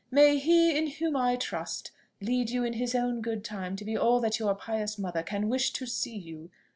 May he, in whom I trust, lead you in his own good time to be all that your pious mother can wish to see you.